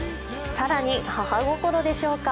更に母心でしょうか。